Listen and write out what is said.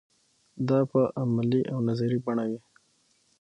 دا په عملي او نظري بڼه وي.